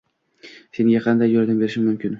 Senga qanday yordam berishim mumkin